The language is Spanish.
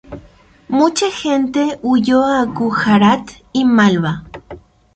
Mucha gente huyó a Gujarat y Malwa.